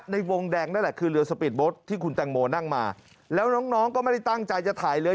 ในวงแดงนั่นแหละคือเรือสปีดโบ๊ทที่คุณแตงโมนั่งมาแล้วน้องน้องก็ไม่ได้ตั้งใจจะถ่ายเรือ